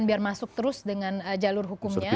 biar masuk terus dengan jalur hukumnya